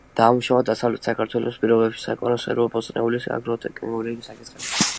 დაამუშავა დასავლეთ საქართველოს პირობებში საკონსერვო ბოსტნეულის აგროტექნიკური საკითხები.